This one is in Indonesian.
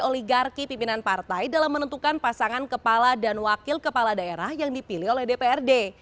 oligarki pimpinan partai dalam menentukan pasangan kepala dan wakil kepala daerah yang dipilih oleh dprd